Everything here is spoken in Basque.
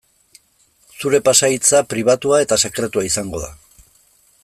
Zure pasahitza pribatua eta sekretua izango da.